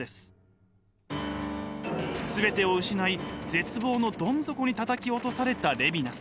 全てを失い絶望のどん底にたたき落とされたレヴィナス。